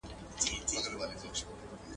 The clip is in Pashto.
آس شيشني، خر رايي، غاتري نوري بلاوي وايي.